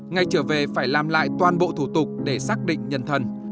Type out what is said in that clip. ngay trở về phải làm lại toàn bộ thủ tục để xác định nhân thân